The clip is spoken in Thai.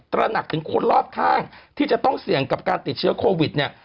ระหนักถึงคนรอบข้างที่จะต้องเสี่ยงกับการติดเชื้อโควิดเนี่ย